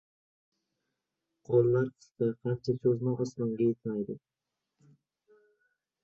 • Qo‘llar qisqa, qancha cho‘zma — osmonga yetmaydi.